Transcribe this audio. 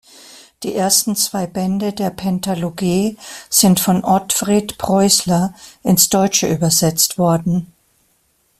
Die ersten zwei Bände der Pentalogie sind von Otfried Preußler ins Deutsche übersetzt worden.